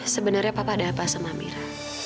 sebenarnya papa ada apa sama mira